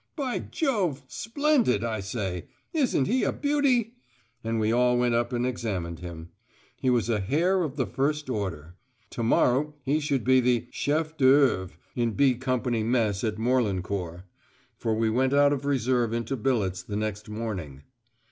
By Jove! Splendid! I say, isn't he a beauty?" And we all went up and examined him. He was a hare of the first order. To morrow he should be the chef d'œuvre in "B" Company mess at Morlancourt. For we went out of reserve into billets the next morning.